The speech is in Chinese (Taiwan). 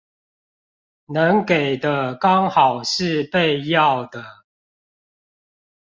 能給的剛好是被要的